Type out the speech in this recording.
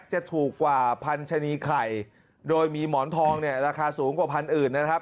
จะถูกกว่าพันชนีไข่โดยมีหมอนทองเนี่ยราคาสูงกว่าพันธุ์อื่นนะครับ